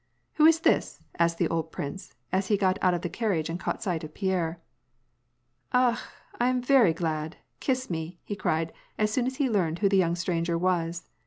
Who is this ?" asked the old prince, as he got out of the carriage and caught sight of Pierre. Ah ! I am very glad ! Kiss me !" he cried, as soon as he learned who the young stranger was.